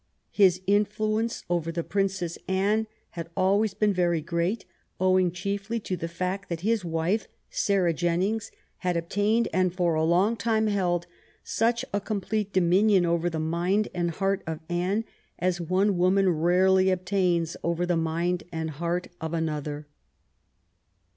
His influence over the Princess Anne had always been very great, owing chiefly to the fact that his wife, Sarah Jennings, had obtained, and for a long time held, such a complete do minion over the mind and heart of Anne as one woman rarely obtains over the mind and heart of another.